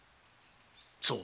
そう。